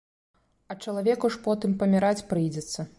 А чалавеку ж потым паміраць прыйдзецца.